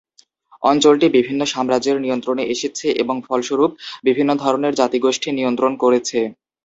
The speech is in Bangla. অঞ্চলটি বিভিন্ন সাম্রাজ্যের নিয়ন্ত্রণে এসেছে এবং ফলস্বরূপ, বিভিন্ন ধরনের জাতিগোষ্ঠী নিমন্ত্রণ করেছে।